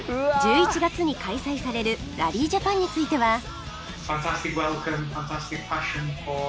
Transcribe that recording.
１１月に開催されるラリージャパンについては